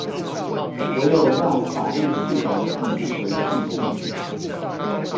唯有讓法律系統與時俱進